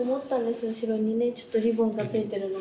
後ろにねちょっとリボンが付いているので。